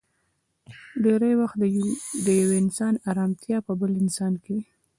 ډېری وخت د يو انسان ارمتيا په بل انسان کې وي.